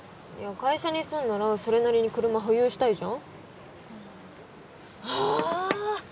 いや会社にするならそれなりに車保有したいじゃんああ